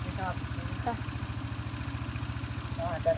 ไม่อยากลองหรอก